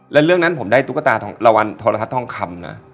แล้วเรื่องนั้นผมได้ตุ๊กตาทองละวันโทรทัศน์ทองคำนะ